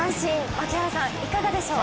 槙原さん、いかがでしょう。